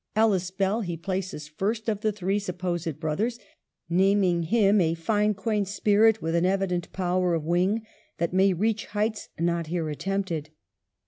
Ellis Bell he places first of the three supposed brothers, naming him " a fine quaint spirit with an evident power of wing that may reach heights not here attempted."